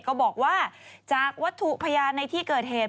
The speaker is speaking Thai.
ก็บอกว่าจากวัตถุพยานในที่เกิดเหตุ